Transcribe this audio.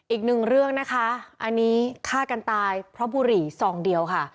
อีกหนึ่งเรื่องนะคะอันนี้ฆ่ากันตายเพราะบุหรี่ซองเดียวค่ะ